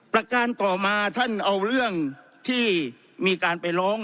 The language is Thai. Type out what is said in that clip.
ประการต่อมาท่านเอาเรื่องที่มีการไปร้อง